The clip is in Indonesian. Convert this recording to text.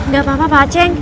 gak apa apa pak aceh